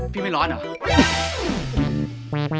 พี่ไม่ร้อนเหรอ